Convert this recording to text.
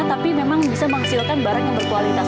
tapi memang bisa menghasilkan barang yang berkualitas